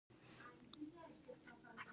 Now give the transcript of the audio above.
د سرچشمې د مسو کان مشهور دی.